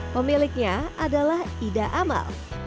pemiliknya adalah ida amal